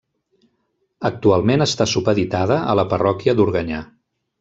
Actualment està supeditada a la parròquia d'Organyà.